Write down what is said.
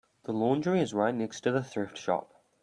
The laundry is right next to the thrift shop.